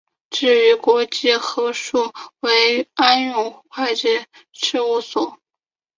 至于国际核数师为安永会计师事务所。